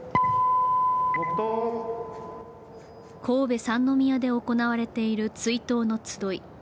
神戸・三宮で行われている追悼の集い。